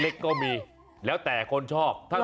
เล็กก็มีแล้วแต่คนชอบ